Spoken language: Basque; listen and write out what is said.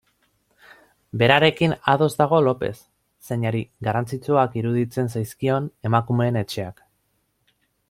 Berarekin ados dago Lopez, zeinari garrantzitsuak iruditzen zaizkion Emakumeen Etxeak.